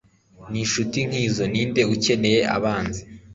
Ninshuti nkizo ninde ukeneye abanzi